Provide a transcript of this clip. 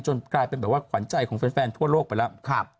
กลายเป็นแบบว่าขวัญใจของแฟนทั่วโลกไปแล้ว